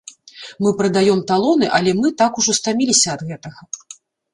Мы прадаём талоны, але мы так ўжо стаміліся ад гэтага.